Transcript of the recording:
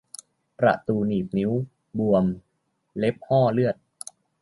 ประตูหนีบนิ้ว บวม เล็บห้อเลือด